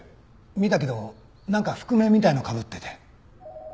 見たけどなんか覆面みたいのかぶってて。